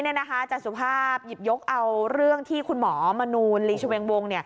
อาจารย์สุภาพหยิบยกเอาเรื่องที่คุณหมอมนูลลีชเวงวง